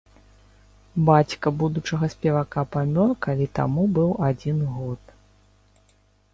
Бацька будучага спевака памёр, калі таму быў адзін год.